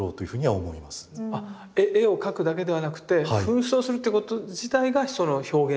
絵を描くだけではなくて扮装するってこと自体がその表現手段？